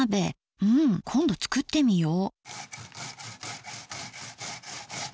うん今度作ってみよう。